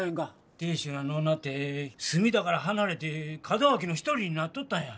亭主が亡うなって角田から離れて門脇の一人になっとったんや。